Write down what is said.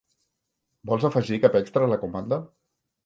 Vols afegir cap extra a la comanda?